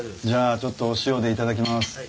じゃあちょっとお塩で頂きます。